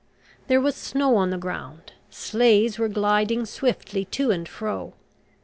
There was snow on the ground, sleighs were gliding swiftly to and fro.